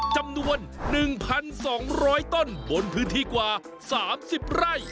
จำนวน๑๒๐๐ต้นบนพื้นที่กว่า๓๐ไร่